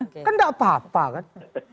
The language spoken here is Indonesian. kan tidak apa apa kan